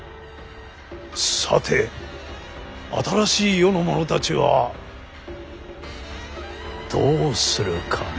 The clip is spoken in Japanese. さて新しい世の者たちはどうするかな？